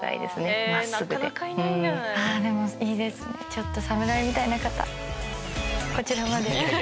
ちょっとサムライみたいな方こちらまで。